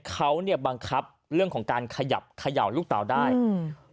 เขาเนี้ยบังคับเรื่องของการขยับเขย่าลูกเต่าได้อืม